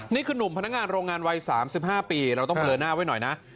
หนุ่มพนักงานโรงงานวัย๓๕ปีเราต้องเลอหน้าไว้หน่อยนะ